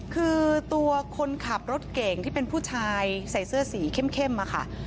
คือตัวคนขับรถเก่งที่เป็นผู้ชายใส่เสื้อสีเข้มค่ะ